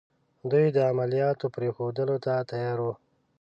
دوی د عملیاتو پرېښودلو ته تیار وو.